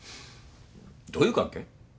どういう関係？